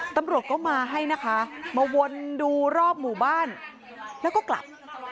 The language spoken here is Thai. ตำรวจก็มาให้นะคะมาวนดูรอบหมู่บ้านแล้วก็กลับ